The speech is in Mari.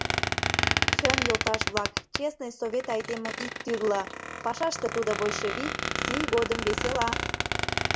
Чын, йолташ-влак, честный совет айдеме ик тӱрлӧ — пашаште тудо большевик, сий годым весела.